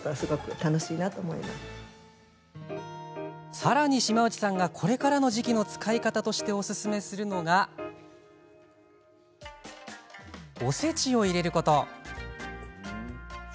さらに、島内さんがこれからの時期の使い方としておすすめするのがおせちを入れること。